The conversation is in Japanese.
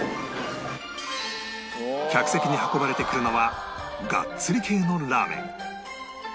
客席に運ばれてくるのはガッツリ系のラーメン